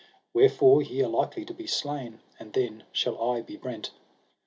Wherefore ye are likely to be slain, and then shall I be brent.